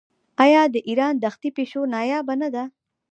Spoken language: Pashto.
آیا د ایران دښتي پیشو نایابه نه ده؟